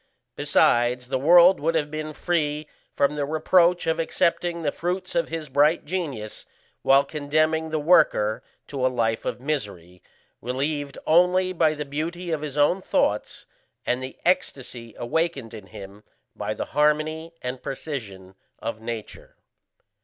Besides, the world would have been free from the reproach of accepting the fruits of his bright genius while condemning the worker to a life of misery, relieved only by the beauty of his own thoughts and the ecstasy awakened in him by the harmony and precision of Nature.